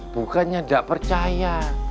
bukannya tidak percaya